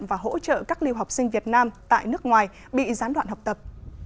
và hỗ trợ các lưu học sinh việt nam tại nước ngoài bị gián đoạn học tập